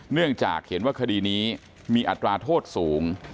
เนื่องจากเห็นว่าคดีนี้มีอัตราโทษสูง